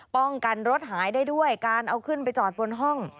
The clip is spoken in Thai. ป้องกันรถหายได้ด้วยการเอาขึ้นไปจอดบนห้อง